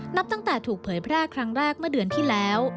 นับตั้งแต่ถูกเผยแพร่ครั้งแรกเมื่อเดือนที่แล้ว